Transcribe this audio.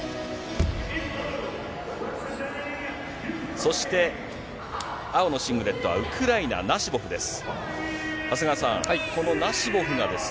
そして青のシングレットはウクライナ、ナシボフです。